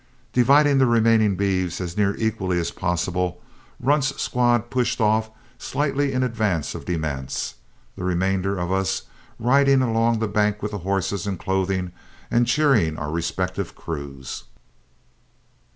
Dividing the remaining beeves as near equally as possible, Runt's squad pushed off slightly in advance of De Manse, the remainder of us riding along the bank with the horses and clothing, and cheering our respective crews.